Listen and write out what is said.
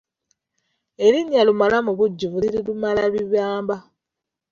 Erinnya Lumala mubujjuvu liri Lumalabibamba.